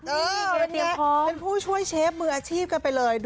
เป็นผู้ช่วยเชฟมืออาชีพกันไปเลย